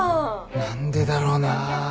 何でだろうな。